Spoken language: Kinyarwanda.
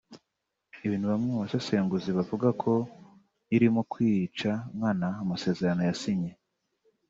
ibintu bamwe mu basesenguzi bavuga ko irimo kwica nkana amasezerano yasinye